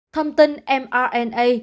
thông tin mrna